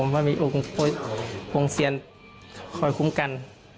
ว่ามีองค์เซียนคอยคุ้มกัน